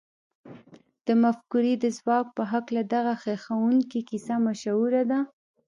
د مفکورې د ځواک په هکله دغه هيښوونکې کيسه مشهوره ده.